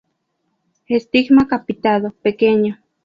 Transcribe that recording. Estigma capitado, pequeño.